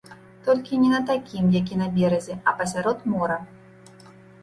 Толькі не на такім, які на беразе, а пасярод мора.